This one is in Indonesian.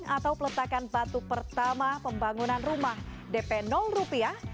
atau peletakan batu pertama pembangunan rumah dp rupiah